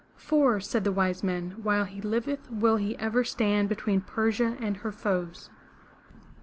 '' "For," said the wise men, "while he liveth, will he ever stand between Persia and her foes."